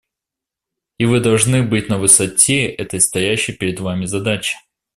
И вы должны быть на высоте этой стоящей перед вами задачи.